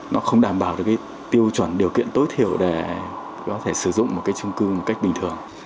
nó không đảm bảo được cái tiêu chuẩn điều kiện tối thiểu để có thể sử dụng một cái trung cư một cách bình thường